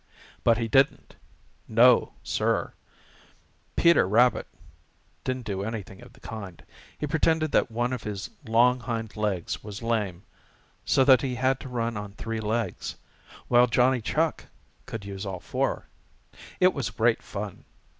But he didn't. No, Sir, Peter Rabbit didn't do anything of the kind. He pretended that one of his long hind legs was lame so that he had to run on three legs, while Johnny Chuck could use all four. It was great fun.